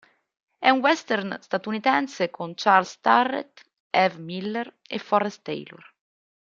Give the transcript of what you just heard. È un western statunitense con Charles Starrett, Eve Miller e Forrest Taylor.